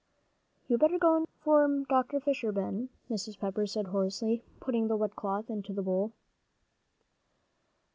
"You better go for Dr. Fisher, Ben," Mrs. Pepper said hoarsely, putting the wet cloth into the bowl.